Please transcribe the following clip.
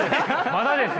まだですよ。